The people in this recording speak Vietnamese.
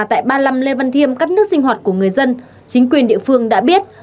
tại ba mươi năm lê văn thiêm cắt nước sinh hoạt của người dân chính quyền địa phương đã biết